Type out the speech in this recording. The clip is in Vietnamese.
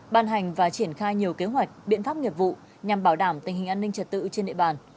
ban hành và triển khai nhiều kế hoạch biện pháp nghiệp vụ nhằm bảo đảm tình hình an ninh trật tự trên địa bàn